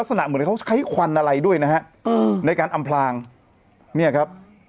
ลักษณะเหมือนเขาใช้ควันอะไรด้วยนะฮะในการอำพลางเนี่ยครับ